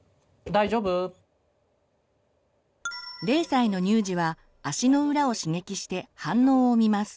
０歳の乳児は足の裏を刺激して反応を見ます。